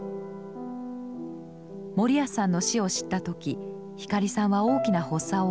森安さんの死を知った時光さんは大きな発作を起こしました。